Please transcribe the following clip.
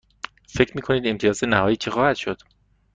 فکر می کنید امتیاز نهایی چه خواهد شد؟